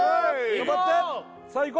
頑張ってさあい